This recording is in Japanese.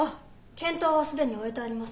検討はすでに終えてあります。